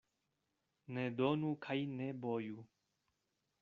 Ne donu kaj ne boju.